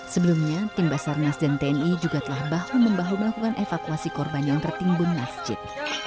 sebelumnya tim basarnas dan tni juga telah bahu membahu melakukan evakuasi korban yang tertimbun masjid